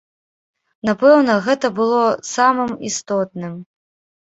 Напэўна, гэта было самым істотным.